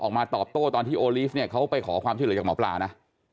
ออกมาตอบโต้ตอนที่โอลีฟเนี่ยเขาไปขอความช่วยเหลือจากหมอปลานะ